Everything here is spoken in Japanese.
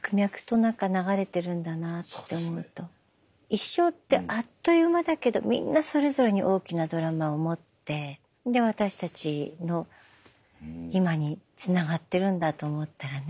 一生ってあっという間だけどみんなそれぞれに大きなドラマを持ってで私たちの今につながってるんだと思ったらね